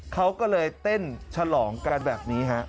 เขาก็เลยเต้นฉลองการแบบนี้ครับ